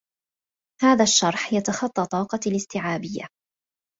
هذا الشرح يتخطى طاقتي الاستعابية.